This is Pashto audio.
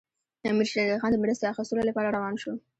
امیر شېر علي خان د مرستې اخیستلو لپاره روان شو.